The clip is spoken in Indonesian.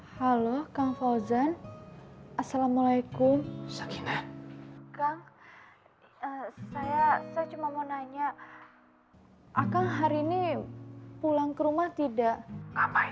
kalau kamu sudah tahu apa yang bisa membuat feby bahagia sekarang tunggu apa lagi